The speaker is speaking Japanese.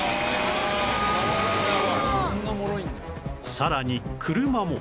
さらに車も